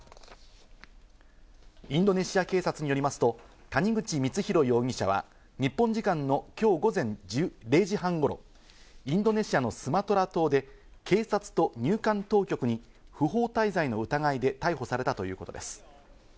インドネシア警察によりますと谷口光弘容疑者は日本時間の今日午前０時半頃、インドネシアのスマトラ島で警察と入管当局に不法滞在の疑いで逮捕されたということです。